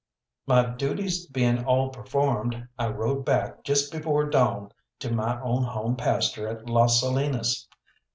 My duties being all performed, I rode back just before dawn to my own home pasture at Las Salinas.